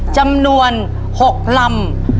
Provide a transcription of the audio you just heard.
จำนวน๖ลำ